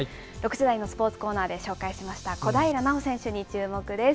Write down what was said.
６時台のスポーツコーナーで紹介しました小平奈緒選手に注目です。